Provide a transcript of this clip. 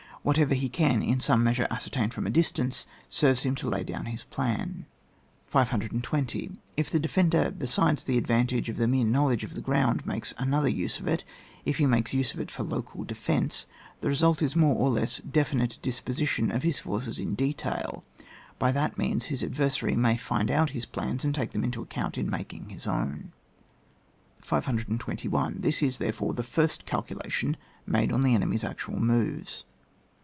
Whatever he can, in some measure, ascertain from a distance, serves him to lay down his plan. 520. If the defender, besides the ad vantage of the mere knowledge of the ground, makes another use of it ; if he makes use of it for local defence, the result is a more or less definite disposition of his forces m detail; by that means, hia adversary may find out his plans, and take them into accotmt in making hia own. 521. This is, therefore, the first calcu lation made on the enemy's actual moves.